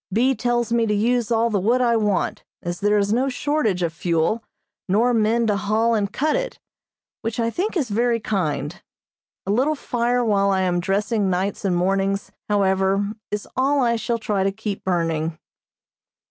B. tells me to use all the wood I want, as there is no shortage of fuel, nor men to haul and cut it, which I think is very kind. A little fire while I am dressing nights and mornings, however, is all I shall try to keep burning.